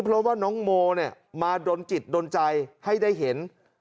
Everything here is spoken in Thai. เพราะว่าน้องโมเนี่ยมาดนจิตดนใจให้ได้เห็น